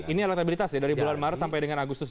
ini elektabilitas ya dari bulan maret sampai dengan agustus